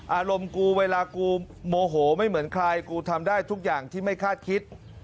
อารมณ์กูเวลากูโมโหไม่เหมือนใครกูทำได้ทุกอย่างที่ไม่คาดคิด